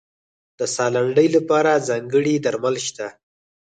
د ساه لنډۍ لپاره ځانګړي درمل شته.